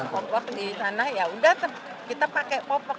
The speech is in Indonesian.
popok di sana ya udah kita pakai popok